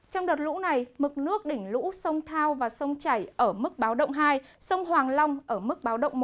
trong đợt lũ này mực nước đỉnh lũ sông thao và sông chảy ở mức báo động hai sông hoàng long ở mức báo động một